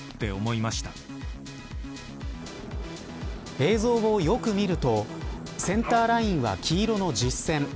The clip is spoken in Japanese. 映像をよく見るとセンターラインは黄色の実線。